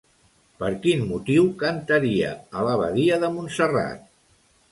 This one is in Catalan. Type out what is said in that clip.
Per quin motiu cantaria a l'abadia de Montserrat?